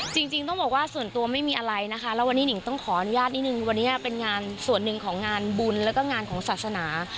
จริงต้องบอกว่าส่วนตัวไม่มีอะไรนะคะแล้ววันนี้หนิ่งต้องขออนุญาตนิดนึงวันนี้เป็นงานส่วนหนึ่งของงานบุญแล้วก็งานของศาสนา